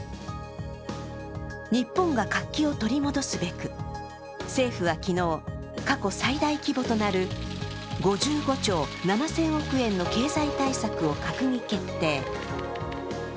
日本が活気を取り戻すべく政府は昨日過去最大規模となる５５兆７０００億円の経済対策を閣議決定。